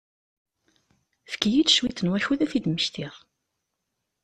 Efk-iyi cwiṭ n wakud ad t-id-mmektiɣ.